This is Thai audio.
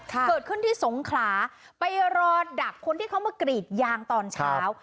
เกิดขึ้นที่สงขลาไปรอดักคนที่เขามากรีดยางตอนเช้า